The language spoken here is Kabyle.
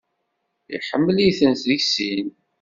Iḥemmel-iten deg sin.